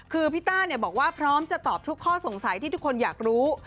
คือพี่ต้าบอกว่าพร้อมจะตอบทุกข้อสงสัยที่ทุกคนอยากรู้